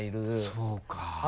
そうか。